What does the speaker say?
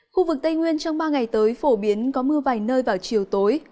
khu vực tây nguyên trong ba ngày tới phổ biến có mưa vài nơi vào chiều tối